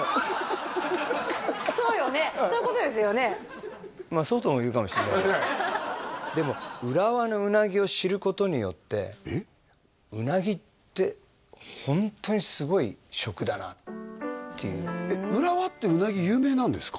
そういうことですよねでも浦和のうなぎを知ることによってうなぎってホントにすごい食だなっていう浦和ってうなぎ有名なんですか？